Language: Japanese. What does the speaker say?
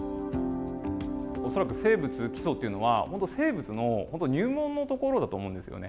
恐らく「生物基礎」っていうのは本当生物の入門のところだと思うんですよね。